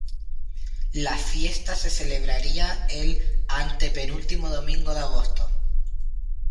La fiesta se celebraría el antepenúltimo domingo de agosto.